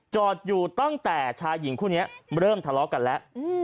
จอดอยู่ตั้งแต่ชายหญิงคู่นี้เริ่มทะเลาะกันแล้ว